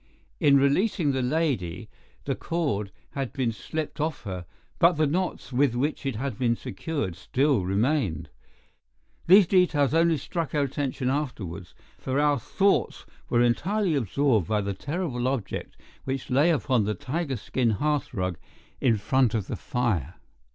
In releasing the lady, the cord had been slipped off her, but the knots with which it had been secured still remained. These details only struck our attention afterwards, for our thoughts were entirely absorbed by the terrible object which lay upon the tigerskin hearthrug in front of the fire.